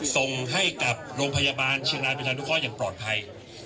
ส่งให้กับโรงพยาบาลเชียงรายประชานุเคราะห์อย่างปลอดภัย